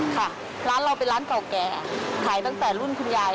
ค่ะร้านเราเป็นร้านเก่าแก่ขายตั้งแต่รุ่นคุณยาย